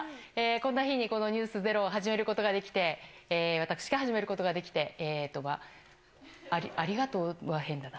こんな日にこのｎｅｗｓｚｅｒｏを始めることができて、私が始めることができて、えーと、わ、あり、ありがとうは変だな。